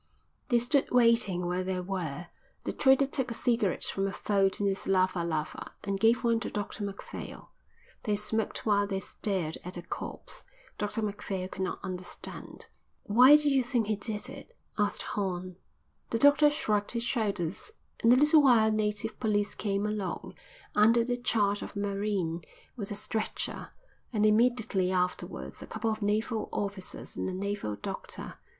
They stood waiting where they were. The trader took a cigarette from a fold in his lava lava and gave one to Dr Macphail. They smoked while they stared at the corpse. Dr Macphail could not understand. "Why do you think he did it?" asked Horn. The doctor shrugged his shoulders. In a little while native police came along, under the charge of a marine, with a stretcher, and immediately afterwards a couple of naval officers and a naval doctor.